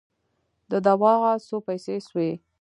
د دوا څو پیسې سوې؟